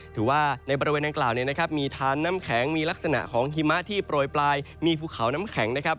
ถือว่าในบริเวณดังกล่าวเนี่ยนะครับมีทานน้ำแข็งมีลักษณะของหิมะที่โปรยปลายมีภูเขาน้ำแข็งนะครับ